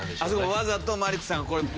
わざとマリックさんが。